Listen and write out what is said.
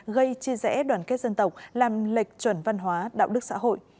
gây chia rẽ đoàn kết dân tộc làm lệch chuẩn văn hóa đạo đức xã hội